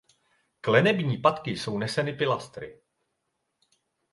Klenební patky jsou neseny pilastry.